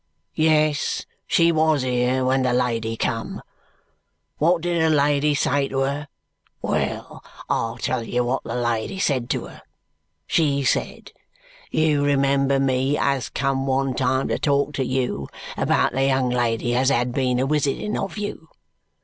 Yes, she wos here when the lady come. Wot did the lady say to her? Well, I'll tell you wot the lady said to her. She said, 'You remember me as come one time to talk to you about the young lady as had been a wisiting of you?